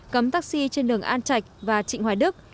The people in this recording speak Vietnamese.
cấm taxi trên đường an trạch và trịnh hoài đức